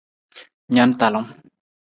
Na na talung.